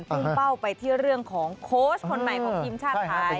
พุ่งเป้าไปที่เรื่องของโค้ชคนใหม่ของทีมชาติไทย